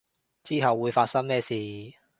之後會發生咩事